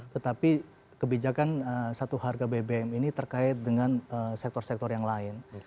tetapi kebijakan satu harga bbm ini terkait dengan sektor sektor yang lain